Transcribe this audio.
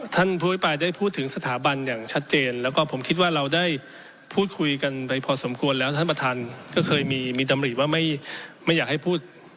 ท่านผู้อภิปรายได้พูดถึงสถาบันอย่างชัดเจนแล้วก็ผมคิดว่าเราได้พูดคุยกันไปพอสมควรแล้วท่านประธานก็เคยมีมีดำริว่าไม่ไม่อยากให้พูด